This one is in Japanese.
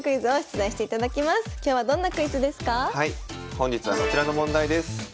本日はこちらの問題です。